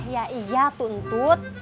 ya iya tuntut